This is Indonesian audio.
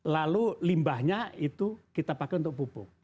lalu limbahnya itu kita pakai untuk pupuk